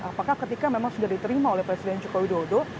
apakah ketika memang sudah diterima oleh presiden jokowi dodo